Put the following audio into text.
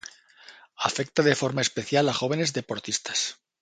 Afecta de forma especial a jóvenes deportistas.